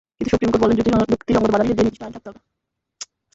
কিন্তু supreme court বললেন, যুক্তিসংগত বাধানিষেধ দিয়ে নির্দিষ্ট আইন থাকতে হবে।